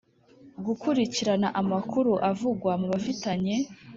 Gukurikirana amakuru avugwa mubafitanye